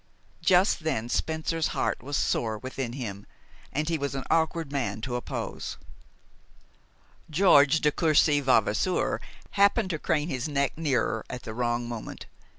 Just then Spencer's heart was sore within him, and he was an awkward man to oppose. George de Courcy Vavasour happened to crane his neck nearer at the wrong moment.